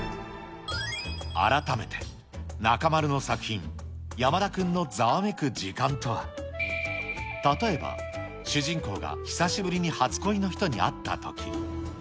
改めて、中丸の作品、山田君のざわめく時間とは、例えば主人公が久しぶりに初恋の人に会ったとき。